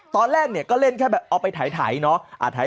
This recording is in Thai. ตอนแรกเนี่ยก็เล่นแค่แบบเอาไปถ่ายเนาะ